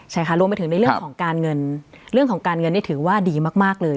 ใช่ค่ะรวมไปถึงในเรื่องของการเงินเรื่องของการเงินนี่ถือว่าดีมากเลย